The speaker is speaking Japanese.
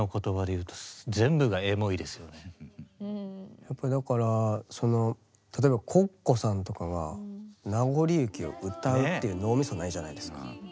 やっぱりだからその例えばＣｏｃｃｏさんとかが「なごり雪」を歌うっていう脳みそないじゃないですか。